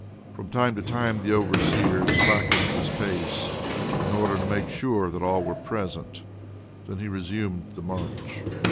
From time to time the overseer slackened his pace, in order to make sure that all were present; then he resumed the march.